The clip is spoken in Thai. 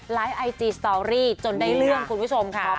ไอจีสตอรี่จนได้เรื่องคุณผู้ชมค่ะ